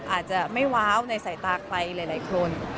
อาจจะไม่ว้าวในสายตาใครหลายคน